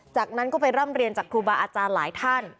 จากนั้นก็ไปร่ำเรียนจากครูบาอาจารย์หลายท่าน